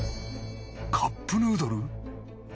カップヌードル？